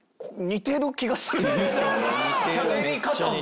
しゃべり方も。